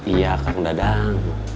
iya kan udah dang